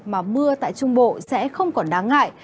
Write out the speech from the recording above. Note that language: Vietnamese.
mà mưa tại trung bộ sẽ không còn đáng ngại